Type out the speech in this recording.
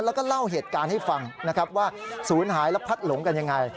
แล้วก็เล่าเหตุการณ์ให้ฟังนะครับว่าศูนย์หายและพัดหลงกันยังไง